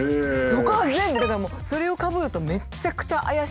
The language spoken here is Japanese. ほかは全部だからもうそれをかぶるとめっちゃくちゃ怪しくて。